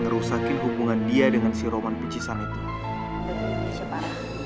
ngerusakin hubungan dia dengan si roman pichisan itu